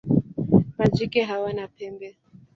Majike hawana pembe.